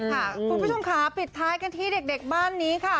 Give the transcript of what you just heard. คุณผู้ชมค่ะปิดท้ายกันที่เด็กบ้านนี้ค่ะ